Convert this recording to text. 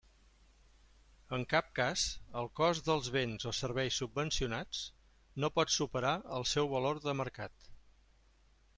En cap cas, el cost dels béns o serveis subvencionats no pot superar el seu valor de mercat.